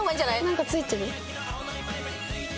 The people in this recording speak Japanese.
なんかついてる？